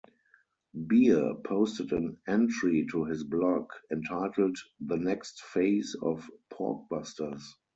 Bear posted an entry to his blog entitled The Next Phase of Porkbusters.